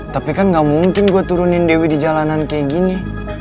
tapi kan gak mungkin gue turunin dewi di jalanan kayak gini